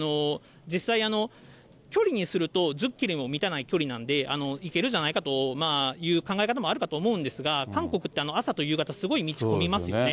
実際、距離にすると１０キロにも満たない距離なので、行けるじゃないかという考え方もあると思うんですが、韓国って、朝と夕方、すごい道混みますよね。